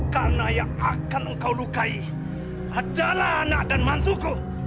karena yang akan engkau lukai adalah anak dan mantuku